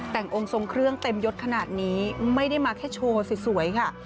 แต่งองค์ทรงเครื่องเต็มยดขนาดนี้ไม่ได้มาแค่โชว์สวยค่ะ